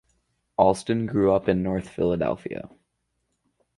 Alston grew up in North Philadelphia.